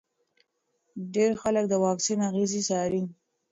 ډېر خلک د واکسین اغېزې څاري.